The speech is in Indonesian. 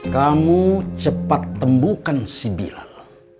kamu cepat tembukan si bilal